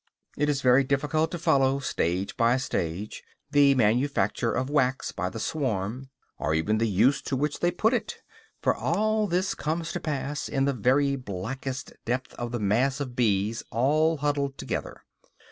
It is very difficult to follow, stage by stage, the manufacture of wax by the swarm, or even the use to which they put it, for all this comes to pass in the very blackest depth of the mass of bees all huddled together.